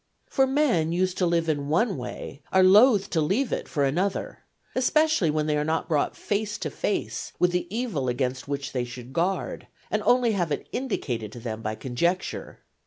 For men used to live in one way are loath to leave it for another, especially when they are not brought face to face with the evil against which they should guard, and only have it indicated to them by conjecture.